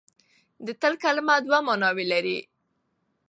د تل کلمه دوه ماناوې لري.